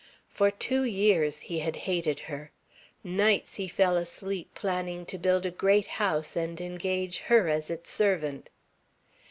For two years he had hated her. Nights he fell asleep planning to build a great house and engage her as its servant.